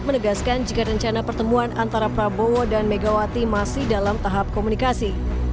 menegaskan jika rencana pertemuan antara prabowo dan megawati masih dalam tahap komunikasi